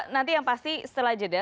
nanti yang pasti setelah jeda